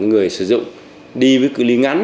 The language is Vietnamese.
người sử dụng đi với cái lý ngắn